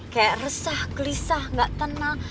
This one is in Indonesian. kayak resah gelisah nggak tenang